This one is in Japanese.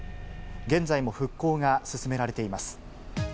現在も復興が進められています。